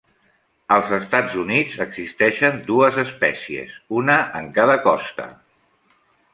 Als Estats Units existeixen dues espècies, una en cada costa.